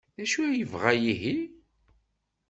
D acu ay yebɣa ihi?